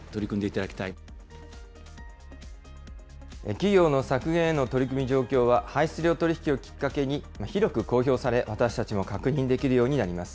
企業の削減への取り組み状況は、排出量取り引きをきっかけに広く公表され、私たちも確認できるようになります。